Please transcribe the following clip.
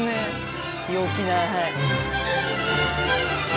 陽気なはい。